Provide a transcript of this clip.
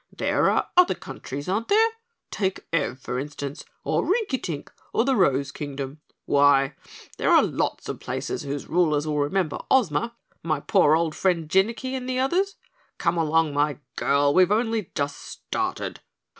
"There are other countries, aren't there? Take Ev, for instance, or Rinkitink, or the Rose Kingdom. Why, there are lots of places whose rulers will remember Ozma, my poor old friend Jinnicky and the others. Come along, my girl, we've only just started.